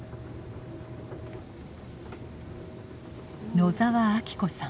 野澤明子さん